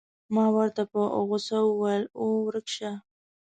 ما ورته په غوسه وویل: اوه، ورک شه.